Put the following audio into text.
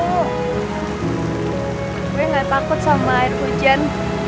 gue gak takut sama air hujan